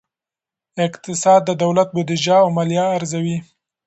اقتصاد د دولت بودیجه او مالیه ارزوي.